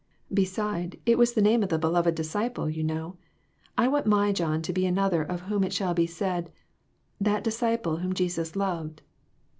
Beside, it was the name of the beloved disciple, you know. I want my John to be another of whom it shall be said 'That disciple whom Jesus loved'."